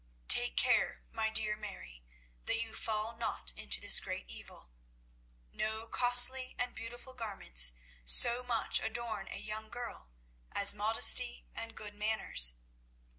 Take care, my dear Mary, that you fall not into this great evil. No costly and beautiful garments so much adorn a young girl as modesty and good manners.